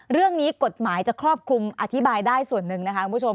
เรื่องนี้กฎหมายจะครอบคลุมอธิบายได้ส่วนหนึ่งนะคะคุณผู้ชม